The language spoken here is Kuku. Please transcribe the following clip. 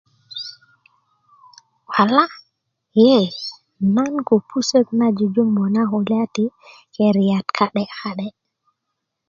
ala yee nan ko pusök na jujumbu na keriyat ka'de ka'de